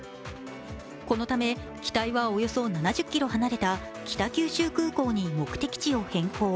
このため、機体はおよそ７０ｋｍ離れた北九州空港に目的地を変更。